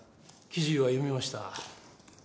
記事は読みました。